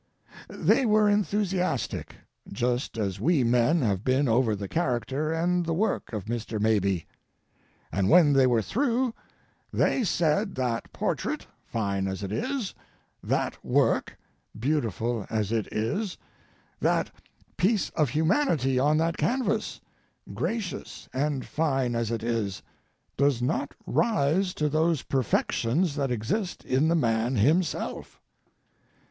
They were enthusiastic, just as we men have been over the character and the work of Mr. Mabie. And when they were through they said that portrait, fine as it is, that work, beautiful as it is, that piece of humanity on that canvas, gracious and fine as it is, does not rise to those perfections that exist in the man himself.